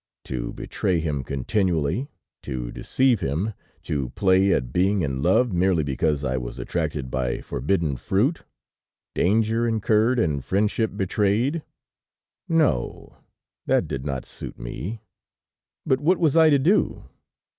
To betray him continually, to deceive him, to play at being in love merely because I was attracted by forbidden fruit, danger incurred and friendship betrayed! No, that did not suit me, but what was I to do?